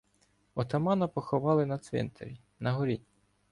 Отамана поховали на цвинтарі — на горі.